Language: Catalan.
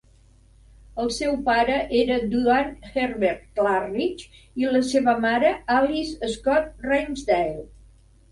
El seu pare era Duane Herbert Clarridge i la seva mare, Alice Scott Ramsdale.